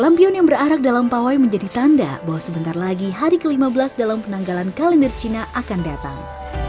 lampion yang berakrak dalam pawai menjadi tanda bahwa sebentar lagi hari ke lima belas dalam penanggalan kalender cina akan datang